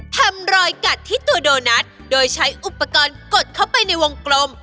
ทำรอยกัดที่ตัวโดนัทโดยใช้อุปกรณ์กดเข้าไปในวงกลม